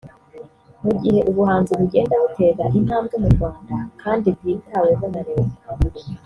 Mu gihe ubuhanzi bugenda butera intambwe mu Rwanda kandi bwitaweho na leta